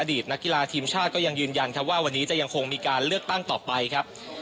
นักกีฬาทีมชาติก็ยังยืนยันครับว่าวันนี้จะยังคงมีการเลือกตั้งต่อไปครับ